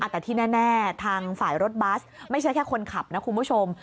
แต่ที่แน่ทางฝ่ายรถบัสไม่ใช่แค่คนขับนะคุณผู้ชม